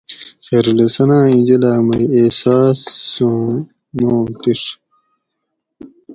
خیرالحسناں ایں جولاگ مے احساسوں ماک لِیڛ